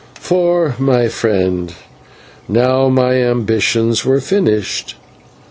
For, my friend, now my ambitions were finished.